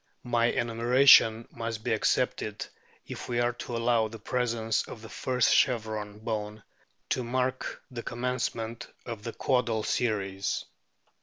My enumeration must be accepted if we are to allow the presence of the first chevron bone to mark the com mencement of the caudal series.